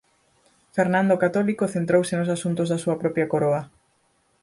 Fernando o Católico centrouse nos asuntos da súa propia coroa.